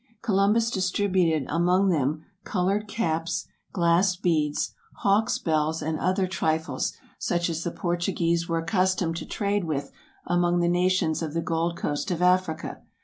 Columbus distributed among them colored caps, glass THE EARLY EXPLORERS 23 beads, hawks' bells and other trifles, such as the Portuguese were accustomed to trade with among the nations of the gold coast of Africa.